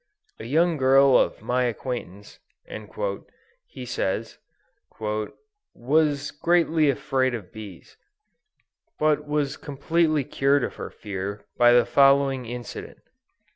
"A young girl of my acquaintance," he says, "was greatly afraid of bees, but was completely cured of her fear by the following incident.